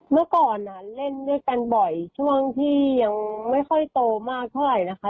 เมื่อก่อนเล่นด้วยกันบ่อยช่วงที่ยังไม่ค่อยโตมากเท่าไหร่นะคะ